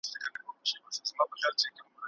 د نباتاتو ناروغۍ هم پلټني ته اړتیا لري.